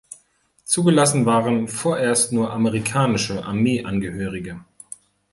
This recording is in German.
Zugelassen waren vorerst nur amerikanische Armeeangehörige.